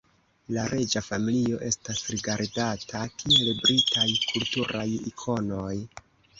La reĝa familio estas rigardata kiel Britaj kulturaj ikonoj.